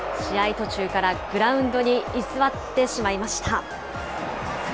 途中からグラウンドに居座ってしまいました。